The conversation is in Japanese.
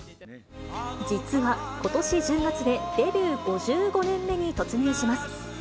実は、ことし１０月でデビュー５５年目に突入します。